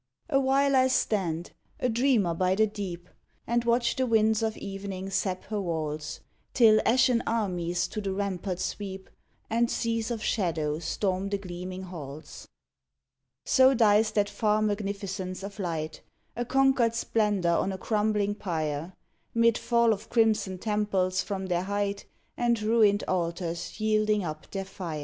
Awhile I stand, a dreamer by the deep, And watch the winds of evening sap her walls, Till ashen armies to the ramparts sweep And seas of shadow storm the gleaming halls. So dies that far magnificence of light, A conquered splendor on a crumbling pyre, Mid fall of crimson temples from their height And ruined altars yielding up their fire.